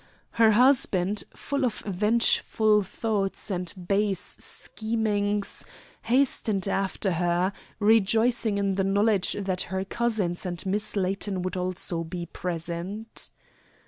Her husband, full of vengeful thoughts and base schemings, hastened after her, rejoicing in the knowledge that her cousins and Miss Layton would also be present.